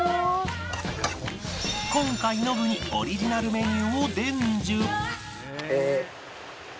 今回ノブにオリジナルメニューを伝授